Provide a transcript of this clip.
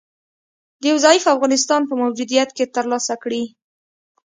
د یو ضعیفه افغانستان په موجودیت کې تر لاسه کړي